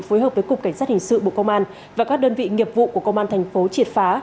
phối hợp với cục cảnh sát hình sự bộ công an và các đơn vị nghiệp vụ của công an thành phố triệt phá